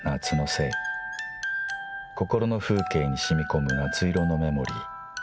［心の風景に染み込む夏色のメモリー］